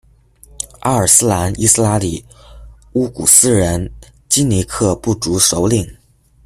阿尔斯兰·伊斯拉里，乌古斯人基尼克部族首领。